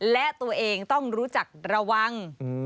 และตัวเองต้องรู้จักระวัง